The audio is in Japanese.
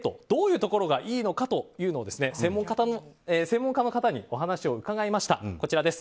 どういうところがいいのかというのを専門家の方にお話を伺いました。